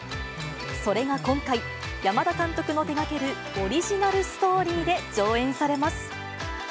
それが今回、山田監督の手がけるオリジナルストーリーで上演されます。